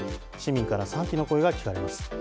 市民からは賛否の声が聞かれます。